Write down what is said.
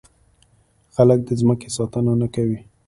خلک د ځمکې ساتنه نه کوي.